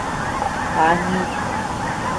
Ани